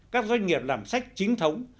các doanh nghiệp làm sách chính thống